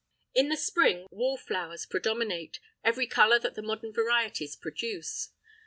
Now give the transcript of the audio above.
In the spring wallflowers predominate, every colour that the modern varieties produce.